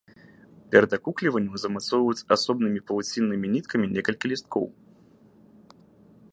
Перад акукліваннем змацоўваюць асобнымі павуціннымі ніткамі некалькі лісткоў.